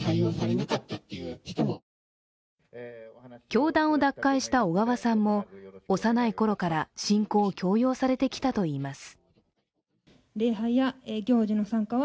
教団を脱会した小川さんも幼いころから信仰を強要されてきたといいます。